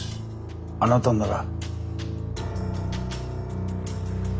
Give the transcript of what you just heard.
あなたなら。